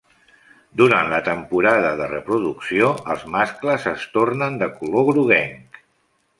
Durant la temporada de reproducció els mascles es tornen de color groguenc.